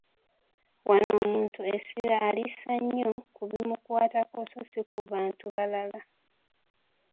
Wano omuntu essira alissa nnyo ku bimukwatako, so si ku bantu balala.